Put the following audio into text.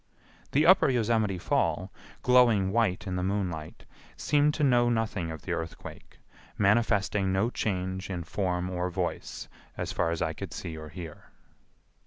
The Upper Yosemite Fall, glowing white in the moonlight, seemed to know nothing of the earthquake, manifesting no change in form or voice, as far as I could see or hear.